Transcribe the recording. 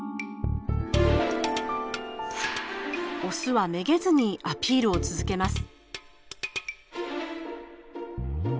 オスはめげずにアピールを続けます。